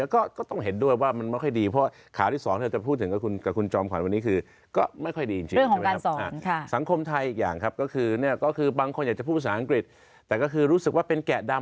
คนอยากจะพูดภาษาอังกฤษแต่ก็คือรู้สึกว่าเป็นแกะดำ